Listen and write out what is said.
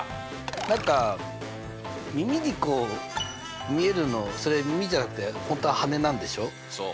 何か耳にこう見えるのそれ耳じゃなくて本当は羽なんでしょう？